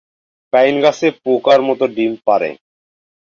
Pine গাছে পোকার মত ডিম পাড়ে।